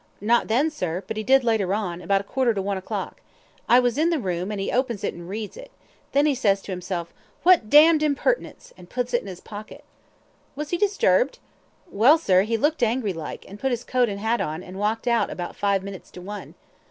"Not then, sir; but he did later on, about a quarter to one o'clock. I was in the room, and he opens it and reads it. Then he says to himself, 'What d d impertinence,' and puts it into his pocket." "Was he disturbed!" "Well, sir, he looked angry like, and put his coat and hat on, and walked out about five minutes to one."